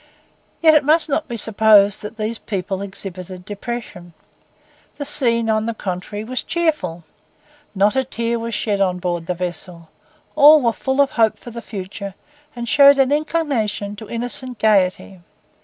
Yet it must not be supposed that these people exhibited depression. The scene, on the contrary, was cheerful. Not a tear was shed on board the vessel. All were full of hope for the future, and showed an inclination to innocent gaiety.